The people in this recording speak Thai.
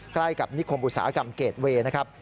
ใกล้กับนิคมอุตสาหกรรมเกรดเวย์นะครับ